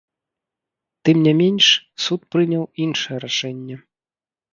Тым не менш, суд прыняў іншае рашэнне.